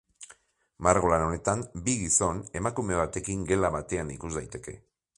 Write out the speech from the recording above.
Margolan honetan bi gizon emakume batekin gela batean ikus daiteke.